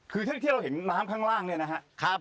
คือเท่าที่เราเห็นน้ำข้างล่างเนี่ยนะครับ